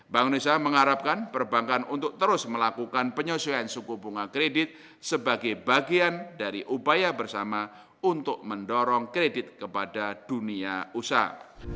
bank indonesia mengharapkan perbankan untuk terus melakukan penyesuaian suku bunga kredit sebagai bagian dari upaya bersama untuk mendorong kredit kepada dunia usaha